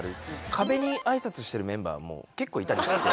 壁に挨拶してるメンバーも結構いたりして。